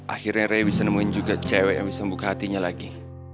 akhirnya rea bisa nemuin juga cewek yang bisa membuka hatinya lagi